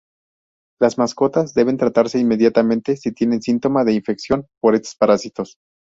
Las mascotas deben tratarse inmediatamente si tienen síntomas de infección por estos parásitos.